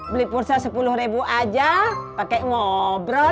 beli pursa sepuluh ribu aja pakai ngobrol